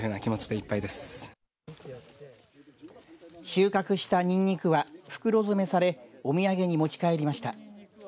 収穫したにんにくは袋詰めされお土産に持ち帰りました。